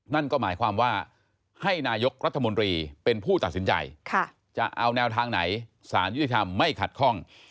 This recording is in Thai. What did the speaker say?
นั่นก็หมายความว่าให้นายกรัฐมนตรีเป็นผู้ตัดสินใจจะเอาแนวทางไหนสารยุติธรรมไม่ขัดข้อง